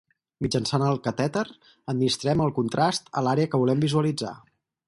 Mitjançant el catèter administrem el contrast a l'àrea que volem visualitzar.